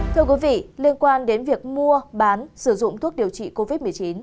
thưa quý vị liên quan đến việc mua bán sử dụng thuốc điều trị covid một mươi chín